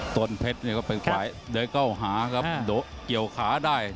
ต้นเพชรเนี่ยก็เป็นฝ่ายเดินเข้าหาครับเกี่ยวขาได้